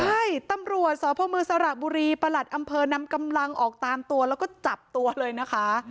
ใช่ตำรวจสพมสระบุรีประหลัดอำเภอนำกำลังออกตามตัวแล้วก็จับตัวเลยนะคะ